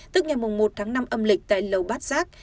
tức ngày một tháng năm âm lịch tại lầu bát giác